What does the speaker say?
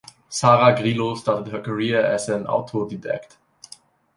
Sarah Grilo started her career as an autodidact.